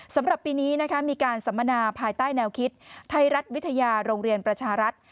สำหรับปีนี้มีการสัมมนาภายใต้แนวคิดไทยรัฐวิทยาโรงเรียนประชารัฐ